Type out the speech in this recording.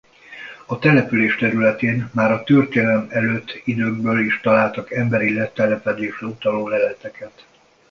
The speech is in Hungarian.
A település területén már a történelem előtt időkből is találtak emberi letelepedésre utaló leleteket.